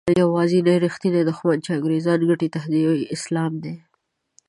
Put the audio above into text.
یوازینی رښتینی دښمن چې د انګریزانو ګټې تهدیدوي اسلام دی.